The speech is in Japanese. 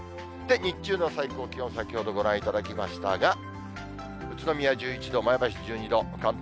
日中の最高気温、先ほどご覧いただきましたが、宇都宮１１度、前橋１２度、関東